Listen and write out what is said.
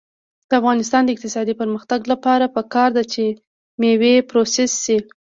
د افغانستان د اقتصادي پرمختګ لپاره پکار ده چې مېوې پروسس شي.